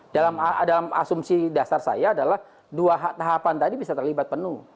dalam asumsi dasar saya adalah dua tahapan tadi bisa terlibat penuh